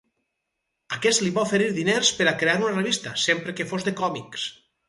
Aquest li va oferir diners per a crear una revista, sempre que fos de còmics.